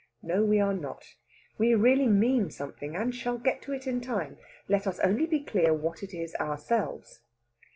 No, we are not. We really mean something, and shall get to it in time. Let us only be clear what it is ourselves.